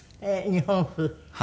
日本風。